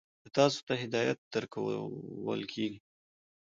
تاسو ته هدایت درکول کېږي.